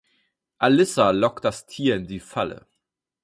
Alissa lockt das Tier in die Falle.